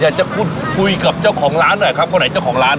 อยากจะพูดคุยกับเจ้าของร้านหน่อยครับคนไหนเจ้าของร้าน